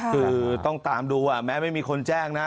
คือต้องตามดูแม้ไม่มีคนแจ้งนะ